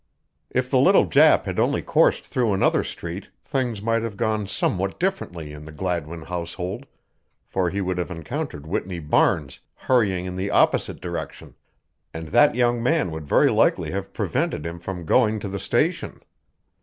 If the little Jap had only coursed through another street things might have gone somewhat differently in the Gladwin household, for he would have encountered Whitney Barnes hurrying in the opposite direction, and that young man would very likely have prevented him from going to the station.